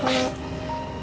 mas aku mau pergi